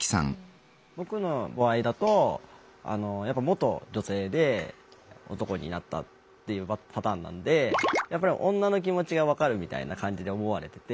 僕の場合だと元女性で男になったっていうパターンなんでやっぱり女の気持ちが分かるみたいな感じで思われてて。